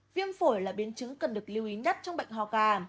viêm phổi là biến chứng cần được lưu ý nhất trong bệnh hò gà